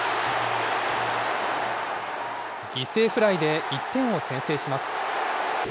犠牲フライで１点を先制します。